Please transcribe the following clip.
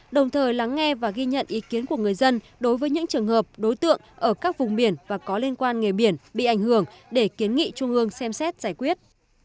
đồng thời lắng nghe và ghi nhận ý kiến của người dân đối với những trường hợp đối tượng ở các vùng biển và có liên quan nghề biển bị ảnh hưởng để kiến nghị trung ương xem xét giải quyết